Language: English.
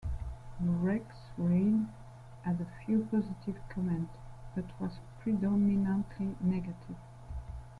Rex Reed had a few positive comments, but was predominantly negative.